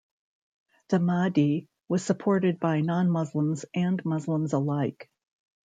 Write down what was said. The Mahdi was supported by non-Muslims and Muslims alike.